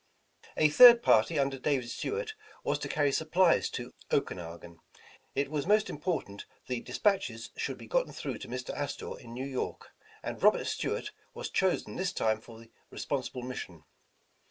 A third party under David Stuart, was to carry supplies to Oakenagan. It was most important the despatches should be gotten through to Mr. Astor in New York, and Robert Stuart was chosen this time for the respon sible mission.